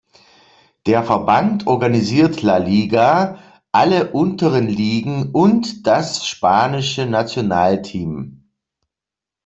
Der Verband organisiert La Liga, alle unteren Ligen und das spanische Nationalteam.